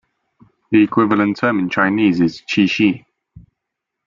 The equivalent term in Chinese is "cishi".